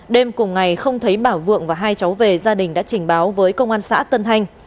đêm cùng ngày không thấy bảo vượng và hai cháu về gia đình đã trình báo với công an xã tân thanh